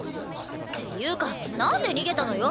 ていうかなんで逃げたのよ？